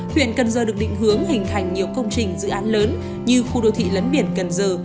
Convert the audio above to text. huyện cần giờ được định hướng hình thành nhiều công trình dự án lớn như khu đô thị lấn biển cần giờ